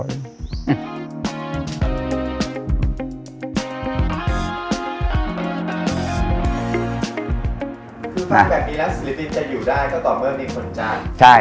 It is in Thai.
คือฟังแบบนี้แล้วศิลปินจะอยู่ได้ก็ต่อเมื่อมีคนจ่าย